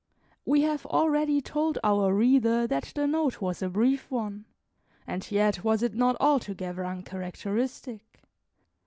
We have already told our reader that the note was a brief one, and yet was it not altogether uncharacteristic.